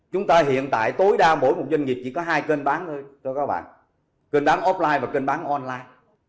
chúng ta hiện tại tối đa mỗi một doanh nghiệp chỉ có hai kênh bán thôi kênh bán offline và kênh bán online